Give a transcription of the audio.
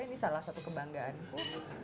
ini salah satu kebanggaanku